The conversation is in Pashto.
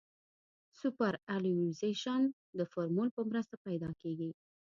سوپرایلیویشن د فورمول په مرسته پیدا کیږي